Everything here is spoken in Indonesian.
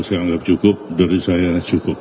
saya anggap cukup dari saya cukup